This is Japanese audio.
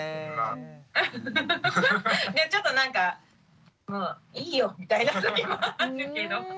ちょっとなんかもういいよみたいなときもあるけど。